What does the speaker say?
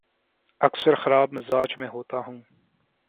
اکثر خراب مزاج میں ہوتا ہوں